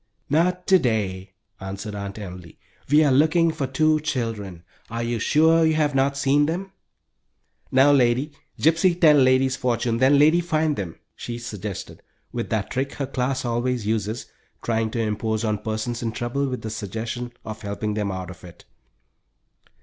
"Not to day," answered Aunt Emily. "We are looking for two children. Are you sure you have not seen them?" "No, lady. Gypsy tell lady's fortune, then lady find them," she suggested, with that trick her class always uses, trying to impose on persons in trouble with the suggestion of helping them out of it.